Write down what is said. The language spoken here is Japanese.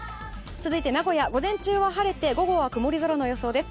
続いて名古屋、午前中は晴れて午後は曇り空の予想です。